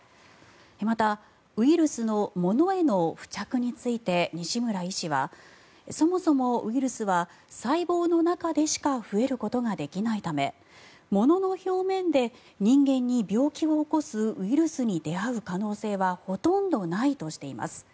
また、ウイルスの物への付着について、西村医師はそもそもウイルスは細胞の中でしか増えることができないため物の表面で人間に病気を起こすウイルスに出会う可能性はほとんどないとしています。